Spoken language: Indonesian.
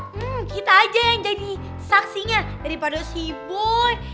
hah hmm kita aja yang jadi saksinya daripada si boy